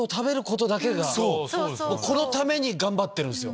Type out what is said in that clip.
このために頑張ってるんすよ。